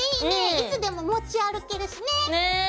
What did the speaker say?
いつでも持ち歩けるしね！ね。